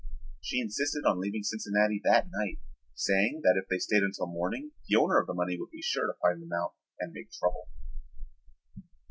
She insisted on leaving Cincinnati that night, saying that if they stayed until morning the owner of the money would be sure to find them out and make trouble.